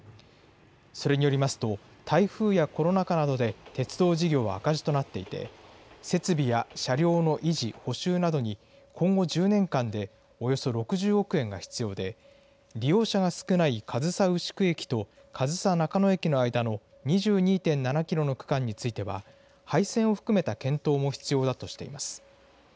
それによりますと、台風やコロナ禍などで鉄道事業が赤字となっていて、設備や車両の維持、補修などに今後１０年間でおよそ６０億円が必要で、利用者が少ない上総牛久駅と上総中野駅の間の２２．７キロの区間については、廃線を含めた検討も必要だとしています。